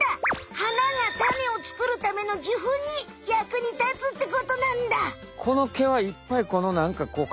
花が種を作るための受粉に役に立つってことなんだ！